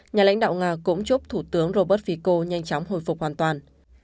nhà lãnh đạo nga cũng chúc thủ tướng robert fico nhanh chóng hồi phục hoàn toàn